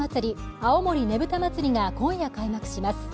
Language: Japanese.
青森ねぶた祭が今夜開幕します